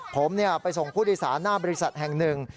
ผมไปส่งผู้โดยสารหน้าบริษัทแห่งหนึ่ง